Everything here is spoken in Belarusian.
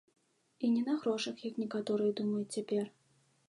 І не на грошах, як некаторыя думаюць цяпер.